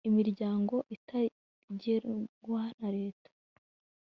imiryango itagengwa na leta